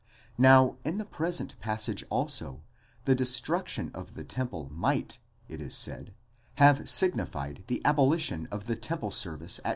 Now in the present passage also, the destruction of the temple might, it is said, have signified the abolition of the temple service at.